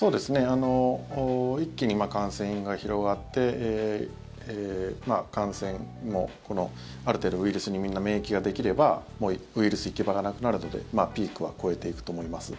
一気に感染が広がって感染もある程度ウイルスにみんな免疫ができればウイルスに行き場がなくなるのでピークは越えていくと思います。